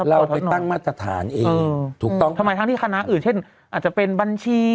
เราไปตั้งมาตรฐานเองถูกต้องทำไมทั้งที่คณะอื่นเช่นอาจจะเป็นบัญชี